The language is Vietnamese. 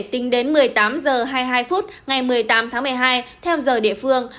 tính đến một mươi tám h hai mươi hai phút ngày một mươi tám tháng một mươi hai theo giờ địa phương